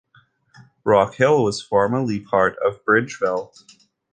Rock Hill was formally part of Bridgeville.